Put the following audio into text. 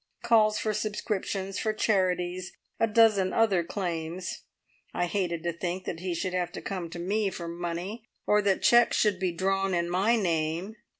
Calls for subscriptions, for charities, a dozen other claims. I hated to think that he should have to come to me for money, or that cheques should be drawn in my name.